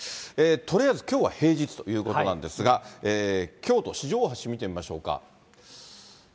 とりあえずきょうは平日ということなんですが、京都・四条大橋見てみましょうか。